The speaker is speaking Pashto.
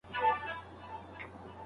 که ماشوم ونه ژاړي، فضا به ښه شي.